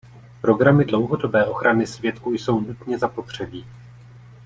Programy dlouhodobé ochrany svědků jsou nutně zapotřebí.